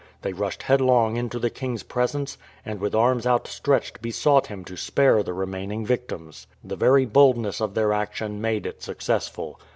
They rushed headlong into the king's presence, and with arms outstretched besought him to spare the remaining victims. The very boldness of their action made it successful.